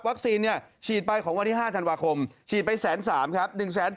ฉีดไปของวันที่๕ธันวาคมฉีดไป๑๓๐๐ครับ